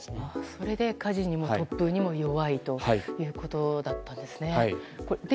それで火事にも突風にも弱いということですね。